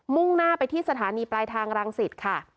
่งหน้าไปที่สถานีปลายทางรังสิตค่ะ